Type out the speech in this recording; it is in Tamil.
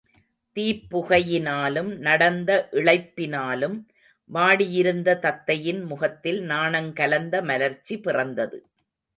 தீப் புகையினாலும் நடந்த இளைப்பினாலும் வாடியிருந்த தத்தையின் முகத்தில் நாணங் கலந்த மலர்ச்சி பிறந்தது.